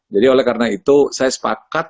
jadi oleh karena itu saya sepakat